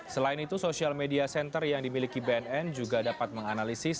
selain itu social media center yang dimiliki bnn juga dapat menganalisis